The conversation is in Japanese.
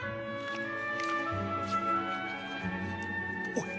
おい。